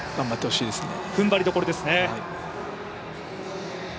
踏ん張りどころですね。